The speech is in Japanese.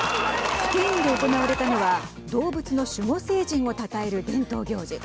スペインで行われたのは動物の守護聖人をたたえる伝統行事。